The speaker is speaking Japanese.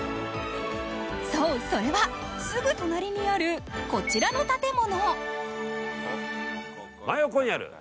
そう、それはすぐ隣にある、こちらの建物。